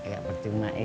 gak percuma ya